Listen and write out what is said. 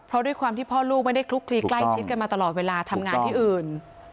เพราะด้วยความที่พ่อลูกไม่ได้คลุกคลีใกล้ชิดกันมาตลอดเวลาทำงานที่อื่น